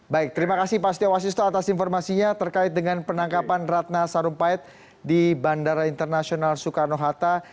baik terima kasih pak setiawasisto atas informasinya terkait dengan penangkapan ratna sarumpait di bandara internasional soekarno hatta